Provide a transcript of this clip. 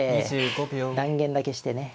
断言だけしてね。